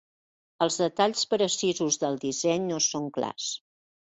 Els detalls precisos del disseny no són clars.